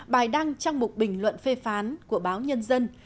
bài đăng trong một bình luận phê phán của báo nhân dân